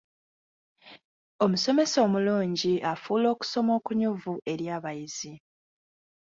Omusomesa omulungi afuula okusoma okunyuvu eri abayizi.